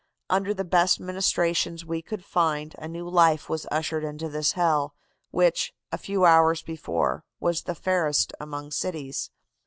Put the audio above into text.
Under the best ministrations we could find, a new life was ushered into this hell, which, a few hours before, was the fairest among cities.